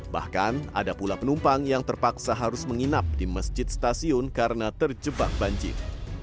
bahkan ada pula penumpang yang terpaksa harus menginap di masjid stasiun karena terjebak banjir